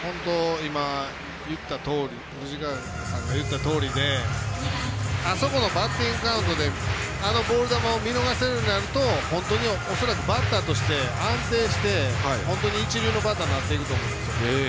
今、藤川さんが言ったとおりであそこのバッティングカウントであのボール球を見逃せるようになると本当に恐らくバッターとして安定して、一流のバッターになっていくと思うんですよ。